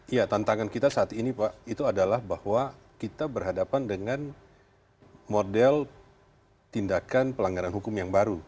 ya tantangan kita saat ini pak itu adalah bahwa kita berhadapan dengan model tindakan pelanggaran hukum yang baru